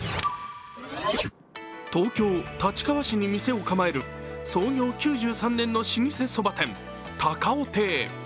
東京・立川市に店を構える創業９３年の老舗そば店・高尾亭。